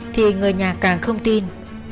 thì người nhà càng không tin